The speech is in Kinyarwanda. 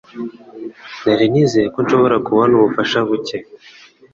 Nari nizeye ko nshobora kubona ubufasha buke.